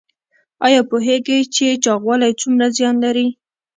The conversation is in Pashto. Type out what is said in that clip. ایا پوهیږئ چې چاغوالی څومره زیان لري؟